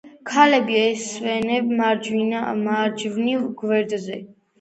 ქალები ესვენენ მარჯვნივ გვერდზე.